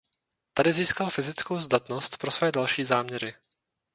Tady získal fyzickou zdatnost pro své další záměry.